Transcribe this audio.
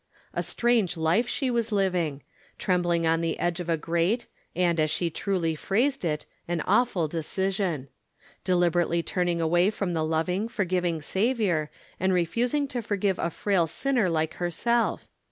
A strange life she was living. Trembling on the edge of a great, and, as she truly plirased it, an awful decision. Deliberately turning away from the loving, forgiving Saviour, and refusing to forgive a frail sinner lite herself.